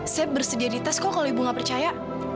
saya bersedia di tesco kalau ibu nggak percaya